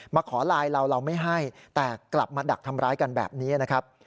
ขอไลน์เราเราไม่ให้แต่กลับมาดักทำร้ายกันแบบนี้นะครับ